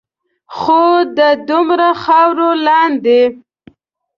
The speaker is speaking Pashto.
خو د دومره خاورو لاندے